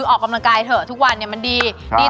ออกกำลังกายเท่าถึกวันจะมีประโยชนี